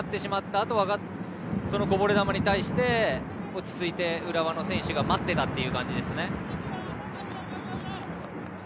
あとは、そのこぼれ球に対して落ち着いて浦和の選手が待っていた感じですね。